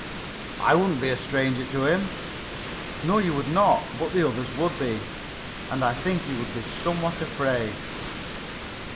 "I wouldn't be a stranger to him." "No, you would not, but the others would be. And I think he would be somewhat afraid."